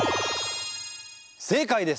正解です！